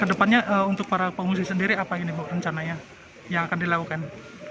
kedepannya untuk para pengungsi sendiri apa ini bu rencananya yang akan dilakukan